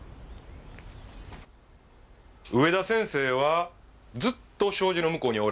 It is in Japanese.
上田先生はずっと障子の向こうにおられた。